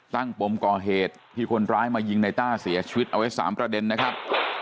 ปมก่อเหตุที่คนร้ายมายิงในต้าเสียชีวิตเอาไว้๓ประเด็นนะครับ